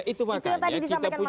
itu yang tadi disampaikan mas hasan